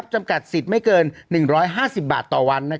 จำกัดสิทธิ์ไม่เกิน๑๕๐บาทต่อวัน